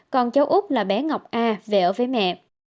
còn cháu úc là bé ngọc a về ở việt nam